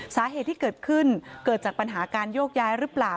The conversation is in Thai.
สาเหตุที่เกิดขึ้นเกิดจากปัญหาการโยกย้ายหรือเปล่า